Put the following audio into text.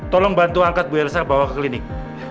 tolong bantu angkat bu elsa bawa ke klinik